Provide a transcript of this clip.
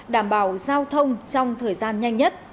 đảm bảo giao thông trong thời gian nhanh nhất